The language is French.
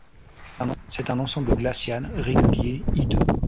C’était un ensemble glacial, régulier, hideux.